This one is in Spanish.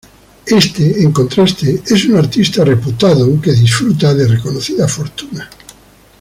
Éste, en contraste, es un artista reputado que disfruta de reconocida fortuna.